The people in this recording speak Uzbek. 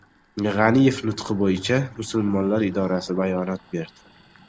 «G‘aniyev nutqi» bo‘yicha musulmonlar idorasi bayonot berdi